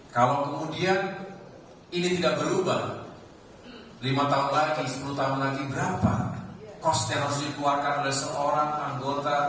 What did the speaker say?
kalau kemudian ini tidak berubah lima tahun lagi sepuluh tahun lagi berapa cost yang harus dikeluarkan oleh seorang anggota